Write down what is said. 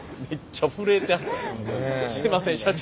すいません社長。